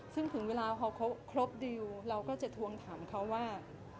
ซึ่งถึงเวลาเขาครบดิวเราก็จะทวงถามเขาว่า